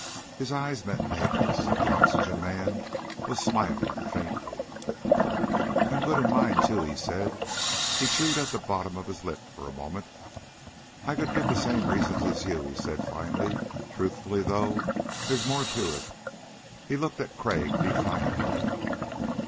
His eyes met Nagel's. The oxygen man was smiling, faintly. "I'm good in mine, too," he said. He chewed at his bottom lip for a moment. "I could give the same reasons as you," he said finally. "Truthfully, though, there's more to it." He looked at Crag defiantly.